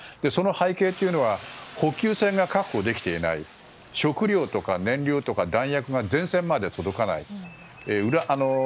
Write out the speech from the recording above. その背景というのは補給船が確保できていない食料とか燃料とか弾薬が前線まで届かない。